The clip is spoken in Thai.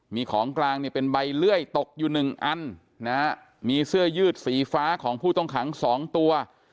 มีของกลางเป็นใบเลื่อยตกอยู่๑อันมีเสื้อยืดสีฟ้าของผู้ต้องขัง๒ตัว